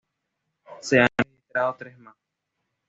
Se han registrado tres más.